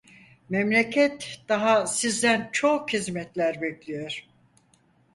Memleket daha sizden çok hizmetler bekliyor.